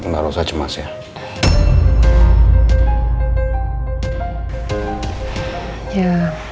gak usah cemas ya